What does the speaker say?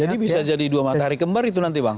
jadi bisa jadi dua matahari kembar itu nanti bang